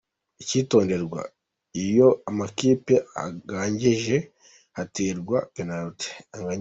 Icyitonderwa: Iyo amakipe anganyije haterwa penaliti.